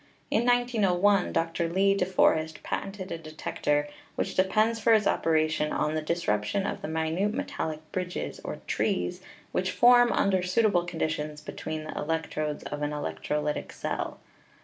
In 1901, Dr. Lee de Forest patented a detector which depends for its operation on the dis WIRELESS TELEGRAPHY 317 ruption of the minute metallic bridges or 'trees' which form, under suitable conditions, between the electrodes of an electrolytic cell.